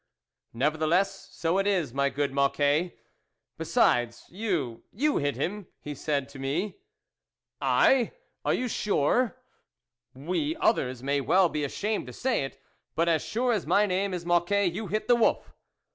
" Nevertheless, so it is, my good Moc quet." " Besides, you, you hit him," he said to me. THE WOLF LEADER zi "II... are you sure ?"" We others may well be ashamed to say it. But as sure as my name is Moc quet, you hit the wolf."